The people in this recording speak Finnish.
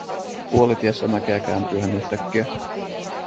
Puolitiessä mäkeä kääntyy hän yhtäkkiä.